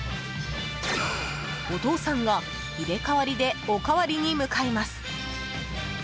お父さんが入れ替わりでおかわりに向かいます。